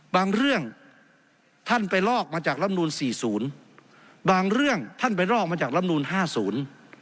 บางเรื่องท่านไปลอกมาจากรับนูล๔๐บางเรื่องท่านไปลอกมาจากรับนูล๕๐